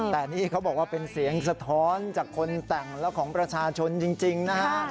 แต่นี่เขาบอกว่าเป็นเสียงสะท้อนจากคนแต่งและของประชาชนจริงนะฮะ